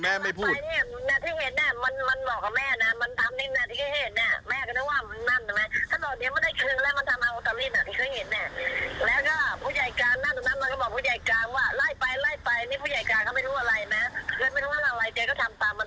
คือไม่รู้ว่าอะไรแจ๊ก็ทำตามันจังหมด